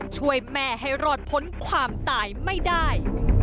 ช่วยแม่ให้รอดพ้นความตายไม่ได้